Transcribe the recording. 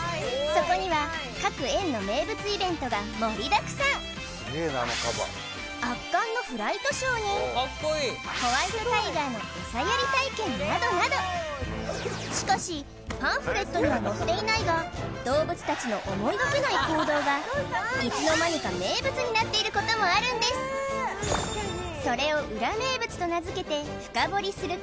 そこには各園の名物イベントが盛りだくさん圧巻のフライトショーにホワイトタイガーのエサやり体験などなどしかしパンフレットには載っていないが動物たちの思いがけない行動がいつの間にか名物になっていることもあるんですそれをウラ名物と名付けて深掘りする